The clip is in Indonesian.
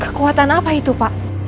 kekuatan apa itu pak